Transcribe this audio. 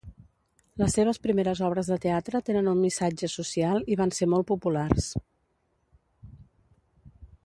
Les seves primeres obres de teatre tenen un missatge social i van ser molt populars.